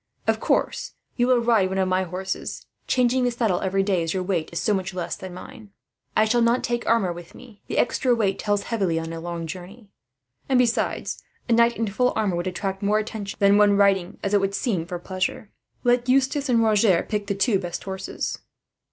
Of course, you will ride one of my horses; changing the saddle every day, as your weight is so much less than mine. "I shall not take armour with me. The extra weight tells heavily, on a long journey; and besides, a knight in full armour would attract more attention than one riding, as it would seem, for pleasure. "Let Eustace and Roger pick the two best horses."